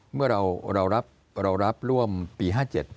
เมื่อเรารับร่วมปี๕๗